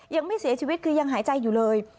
ยังไม่เสียชีวิตคือยังหายใจอยู่เลย